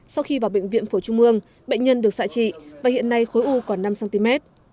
sau khi vào bệnh viện phổ trung mương bệnh nhân được xạ trị và hiện nay khối u còn năm cm